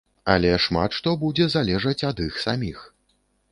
Але шмат што будзе залежаць ад іх саміх.